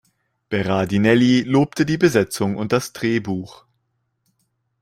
Berardinelli lobte die Besetzung und das Drehbuch.